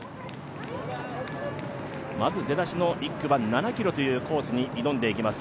まず出だしの１区は７ｋｍのコースに挑んでいきます。